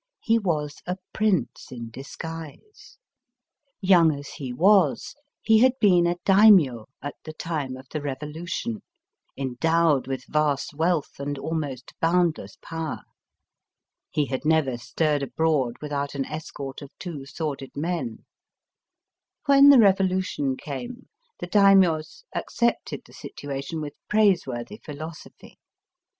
He was a prince in disguise. Young as he was, he had been a Daimio at the time of the revo lution, endowed with vast wealth and almost boundless power. He had never stirred abroad without an escort of two sworded men. When the revolution came, the Daimios accepted the situation with praiseworthy philosophy.